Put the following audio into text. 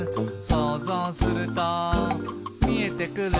「そうぞうするとみえてくる」